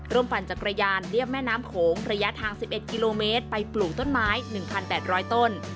ปั่นจักรยานเรียบแม่น้ำโขงระยะทาง๑๑กิโลเมตรไปปลูกต้นไม้๑๘๐๐ต้น